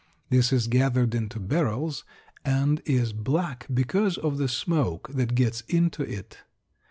This is gathered into barrels and is black because of the smoke that gets into it.